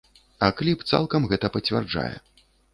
А кліп цалкам гэта пацвярджае.